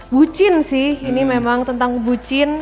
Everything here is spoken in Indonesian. bucin sih ini memang tentang bucin